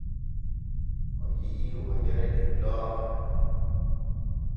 O yi’i wojere der looŋal.